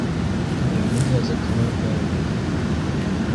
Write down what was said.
Juanita is a common variant.